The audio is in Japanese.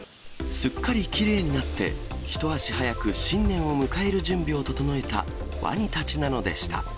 すっかりきれいになって、一足早く新年を迎える準備を整えたワニたちなのでした。